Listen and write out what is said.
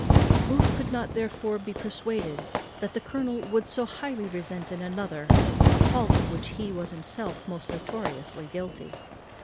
Booth could not therefore be persuaded that the colonel would so highly resent in another a fault of which he was himself most notoriously guilty.